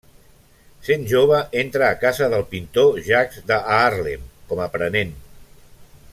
Sent jove, entra a casa del pintor Jacques de Haarlem com a aprenent.